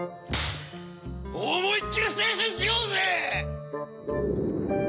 思い切り青春しようぜ！